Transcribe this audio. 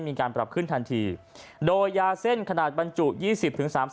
มีผลทันทีเลยนะฮะ